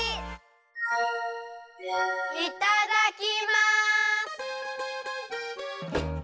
いただきます！